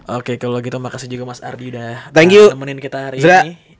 oke kalau gitu makasih juga mas ardi udah temenin kita hari ini